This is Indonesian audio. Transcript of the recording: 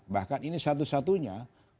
bahkan ini satu satunya